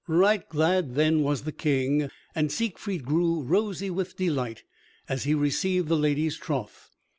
Right glad then was the King, and Siegfried grew rosy with delight as he received the lady's troth.